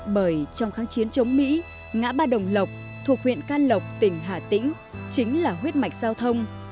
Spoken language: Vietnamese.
bởi trong kháng chiến chống mỹ ngã ba đồng lộc thuộc huyện can lộc tỉnh hà tĩnh chính là huyết mạch giao thông